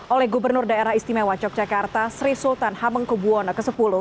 oleh gubernur daerah istimewa yogyakarta sri sultan hamengkubwono x